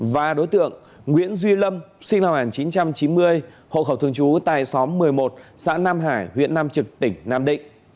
và đối tượng nguyễn duy lâm sinh năm một nghìn chín trăm chín mươi hộ khẩu thường trú tại xóm một mươi một xã nam hải huyện nam trực tỉnh nam định